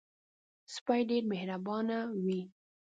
سپي ډېر مهربانه وي.